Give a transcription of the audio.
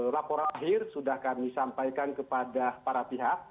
laporan akhir sudah kami sampaikan kepada para pihak